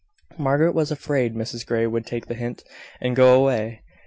Margaret was afraid Mrs Grey would take the hint, and go away.